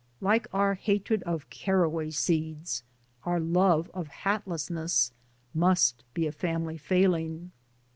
Like our hatred of caraway seeds, our love of hatlessness must be a family failing.